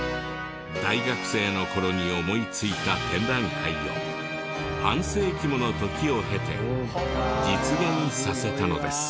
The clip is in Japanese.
大学生の頃に思いついた展覧会を半世紀もの時を経て実現させたのです。